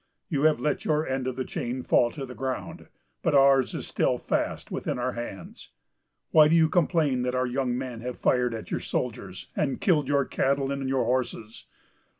You have let your end of the chain fall to the ground, but ours is still fast within our hands. Why do you complain that our young men have fired at your soldiers, and killed your cattle and your horses?